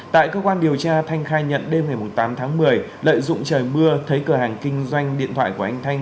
tại cơ quan điều tra thanh khai nhận đêm ngày tám tháng một mươi lợi dụng trời mưa thấy cửa hàng kinh doanh điện thoại của anh thanh